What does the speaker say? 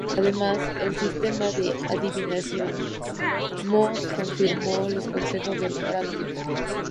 Además, el sistema de adivinación "mo" confirmó los consejos del oráculo.